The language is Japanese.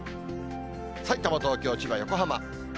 さいたま、東京、千葉、横浜。